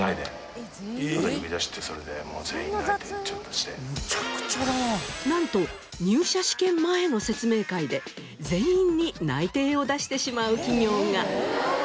中にはなんと入社試験前の説明会で全員に内定を出してしまう企業が。